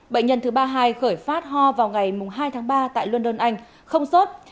bệnh nhân thứ ba mươi hai khởi phát ho vào ngày hai tháng ba tại london anh không sốt